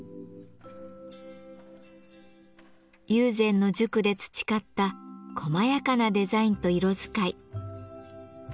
友禅の塾で培った細やかなデザインと色使い。